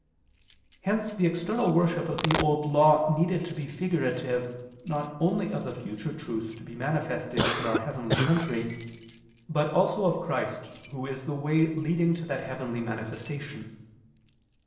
Hence the external worship of the Old Law needed to be figurative not only of the future truth to be manifested in our heavenly country, but also of Christ, Who is the way leading to that heavenly manifestation.